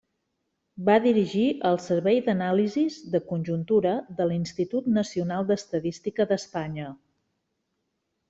Va dirigir el servei d'anàlisis de conjuntura de l'Institut Nacional d'Estadística d'Espanya.